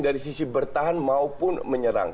dari sisi bertahan maupun menyerang